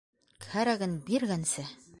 Кәрәген биргәнсә!